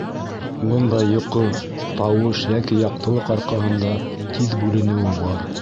Бындай йоҡо тауыш йәки яҡтылыҡ арҡаһында тиҙ бүленеүе бар.